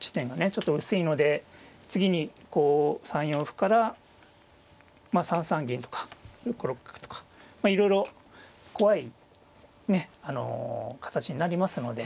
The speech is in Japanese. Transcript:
ちょっと薄いので次にこう３四歩からまあ３三銀とか６六角とかいろいろ怖いね形になりますので。